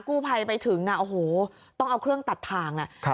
กู้ภัยไปถึงน่ะโอ้โหต้องเอาเครื่องตัดทางนะครับ